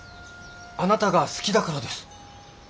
あなたが好きだからです。